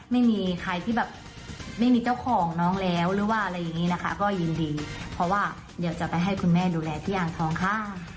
ไม่มีใครที่แบบไม่มีเจ้าของน้องแล้วหรือว่าอะไรอย่างนี้นะคะก็ยินดีเพราะว่าเดี๋ยวจะไปให้คุณแม่ดูแลที่อ่างทองค่ะ